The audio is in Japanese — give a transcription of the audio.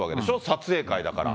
撮影会だから。